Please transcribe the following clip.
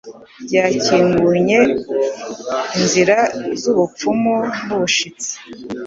byakingunye inzira z ubupfumu n'ubushitsi,